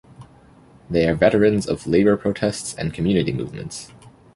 They are veterans of labour protests and community movements.